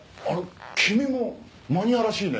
君もマニアらしいね。